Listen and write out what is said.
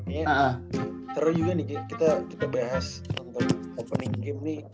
kayaknya teru juga nih kita kita bahas tentang opening game nih